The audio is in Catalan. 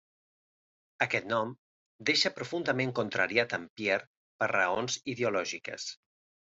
Aquest nom deixa profundament contrariat en Pierre per raons ideològiques.